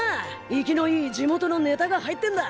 生きのいい地元のネタが入ってんだ。